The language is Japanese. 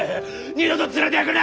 二度と連れてくな！